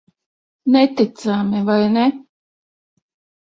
Neticami, vai ne?